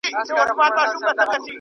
زه باید د کمپنۍ لارښوونې تعقیب کړم.